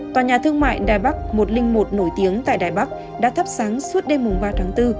tòa nhà thương mại đài bắc một trăm linh một nổi tiếng tại đài bắc đã thắp sáng suốt đêm ba tháng bốn